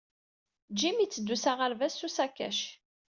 Jim itteddu s aɣerbaz s usakac.